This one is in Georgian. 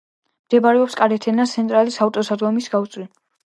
მდებარეობს კარეტერა-სენტრალის ავტომაგისტრალის გასწვრივ.